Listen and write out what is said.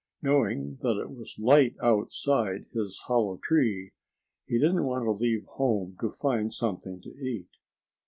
Knowing that it was light outside his hollow tree, he didn't want to leave home to find something to eat.